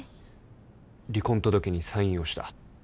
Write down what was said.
離婚届にサインをした。